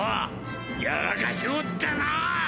やらかしおったな！